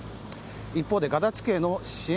一方でガザ地区への支援